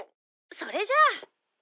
「それじゃあ」